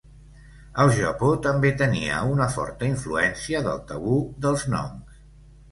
El Japó també tenia una forta influència del tabú dels noms.